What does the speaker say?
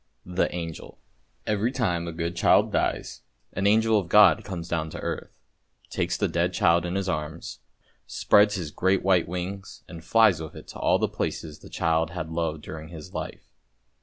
THE ANGEL EVERY time a good child dies, an Angel of God comes down to earth, takes the dead child in his arms, spreads his great white wings and flies with it to all the places the child had loved during his life.